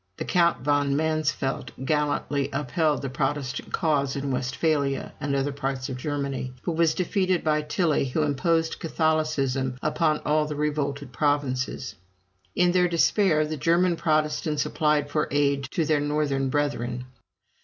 The Count von Mansfeldt gallantly upheld the Protestant cause in Westphalia, and other parts of Germany, but was defeated by Tilly, who imposed Catholicism upon all the revolted provinces. In their despair the German Protestants applied for aid to their northern brethren.